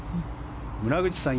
村口さん